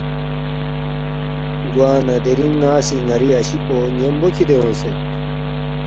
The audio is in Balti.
گوانہ دِرِنگ ن٘ا سی ن٘ری اشی پو ن٘یمبو کِھدے اونگسید